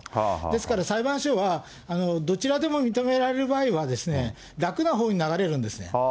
ですから裁判所は、どちらでも認められる場合は、楽なほうに流れるんですね。